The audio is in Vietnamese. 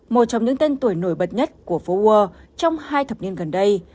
một trong những tên tuổi nổi bật nhất của phố world trong hai thập niên gần đây